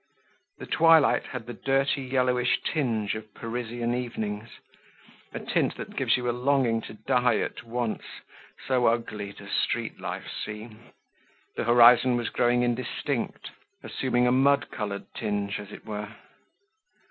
The twilight had the dirty yellowish tinge of Parisian evenings, a tint that gives you a longing to die at once, so ugly does street life seem. The horizon was growing indistinct, assuming a mud colored tinge as it were.